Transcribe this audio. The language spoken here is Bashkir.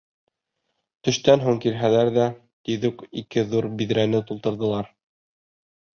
Төштән һуң килһәләр ҙә, тиҙ үк ике ҙур биҙрәне тултырҙылар.